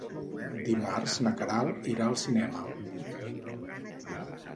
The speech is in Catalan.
Dimarts na Queralt irà al cinema.